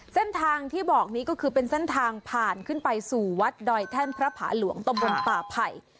เส้นทางที่บอกนี้ก็คือเป็นเส้นทางผ่านขึ้นไปสู่วัดดอยแท่นพระผาหลวงตำบลป่าไผ่